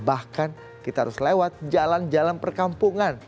bahkan kita harus lewat jalan jalan perkampungan